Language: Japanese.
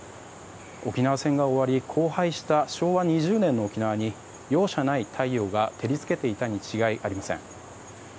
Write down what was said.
沖縄戦が終わり荒廃した昭和２０年の沖縄に容赦ない太陽が照り付けていたに違いありません。